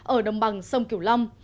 ở đồng bằng sông cửu lâm